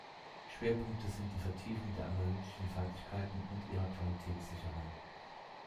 Schwerpunkte sind die Vertiefung der analytischen Fertigkeiten und ihrer Qualitätssicherung.